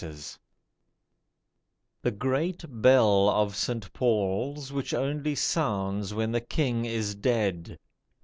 PAUL'S "The great bell of St. Paul's, which only sounds when the King is dead."